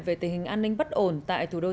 về tình hình an ninh bất ổn tại thủ đô